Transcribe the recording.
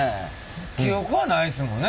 記憶はないですもんね